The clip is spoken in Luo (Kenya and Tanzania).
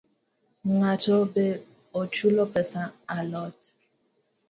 Ng’atno be ochulo pesa a lot?